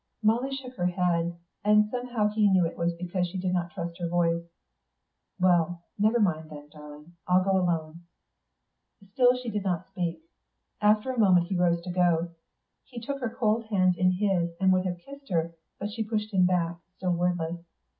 Molly shook her head, and he somehow knew it was because she did not trust her voice. "Well, never mind, then, darling. I'll go alone." Still she did not speak. After a moment he rose to go. He took her cold hands in his, and would have kissed her, but she pushed him back, still wordless.